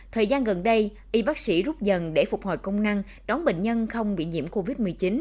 thời gian gần đây y bác sĩ rút dần để phục hồi công năng đón bệnh nhân không bị nhiễm covid một mươi chín